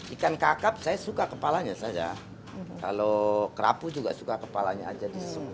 ikan kakap saya suka kepalanya saja kalau krapu juga suka kepalanya saja